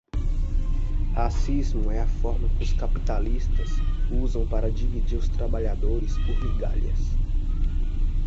Racismo é a forma que os capitalistas usam para dividir os trabalhadores por migalhas